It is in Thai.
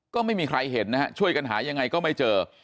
ก็ไม่มีใครเห็นนะฮะช่วยกันหายังไงก็ไม่เจอ